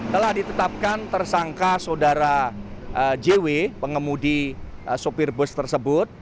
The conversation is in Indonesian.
telah ditetapkan tersangka saudara jw pengemudi sopir bus tersebut